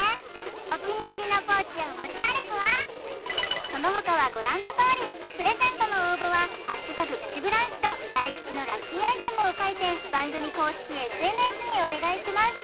お気に入りのポーチを持ち歩くわそのほかはご覧のとおりプレゼントの応募は「＃プチブランチ」と大吉のラッキーアイテムを書いて番組公式ＳＮＳにお願いします